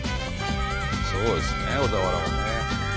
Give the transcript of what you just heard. すごいですね小田原はね。